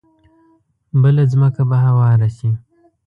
بله ځمکه به هواره شي.